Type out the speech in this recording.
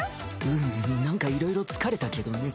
うんなんかいろいろ疲れたけどね。